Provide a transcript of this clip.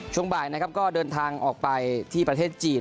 ช่วงบ่ายนะครับก็เดินทางออกไปที่ประเทศจีน